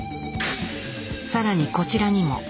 更にこちらにも。